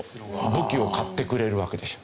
武器を買ってくれるわけでしょ。